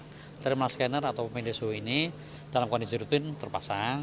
thermal scanner atau media suhu ini dalam kondisi rutin terpasang